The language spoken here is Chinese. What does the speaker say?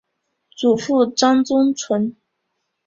祖父张宗纯。